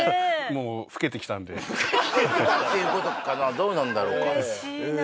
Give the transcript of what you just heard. もう老けてきたんでっていうことかなどうなんだろうか嬉しいなねえ